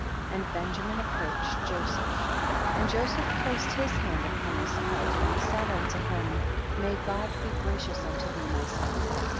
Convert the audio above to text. and Benjamin approached Joseph, and Joseph placed his hand upon his head and he said unto him, may God be gra cious unto thee my son.